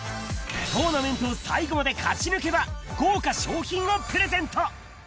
トーナメントを最後まで勝ち抜けば、豪華賞品をプレゼント。